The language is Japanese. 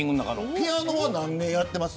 ピアノは何年やってます。